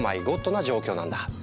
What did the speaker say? な状況なんだ。